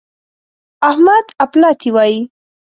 احمد اپلاتي وايي.